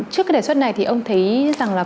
trước cái đề xuất này thì ông thấy rằng là